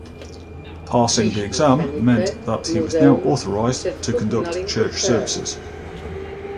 Passing the exam meant that he was now authorised to conduct church services.